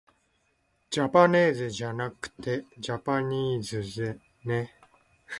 じゃぱねーぜじゃなくてじゃぱにーずね